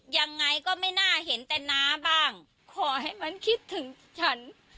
ยังไงก็ไม่น่าเห็นแต่น้าบ้างขอให้มันคิดถึงฉัน